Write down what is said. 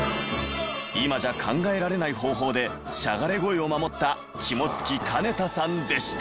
今じゃ考えられない方法でしゃがれ声を守った肝付兼太さんでした。